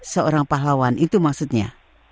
seorang pahlawan itu maksudnya